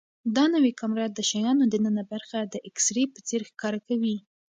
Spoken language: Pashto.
دا نوې کامره د شیانو دننه برخه د ایکس ری په څېر ښکاره کوي.